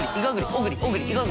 小栗